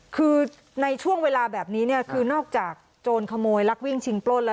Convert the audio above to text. คือในช่วงเวลาแบบนี้เนี่ยคือนอกจากโจรขโมยลักวิ่งชิงปล้นแล้ว